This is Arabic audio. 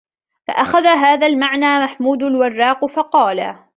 فَأَخَذَ هَذَا الْمَعْنَى مَحْمُودٌ الْوَرَّاقُ فَقَالَ